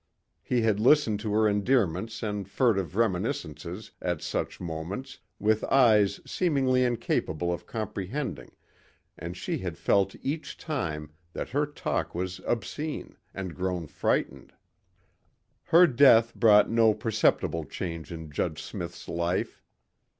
He had listened to her endearments and furtive reminiscences at such moments with eyes seemingly incapable of comprehending and she had felt each time that her talk was obscene, and grown frightened. Her death brought no perceptible change in Judge Smith's life.